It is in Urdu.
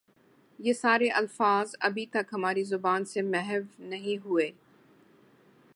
یہ سارے الفاظ ابھی تک ہماری زبان سے محو نہیں ہوئے ۔